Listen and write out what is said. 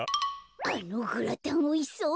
あのグラタンおいしそう！